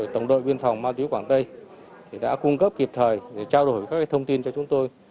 tổng đội biên phòng ma túy quảng tây đã cung cấp kịp thời để trao đổi các thông tin cho chúng tôi